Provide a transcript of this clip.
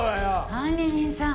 管理人さん。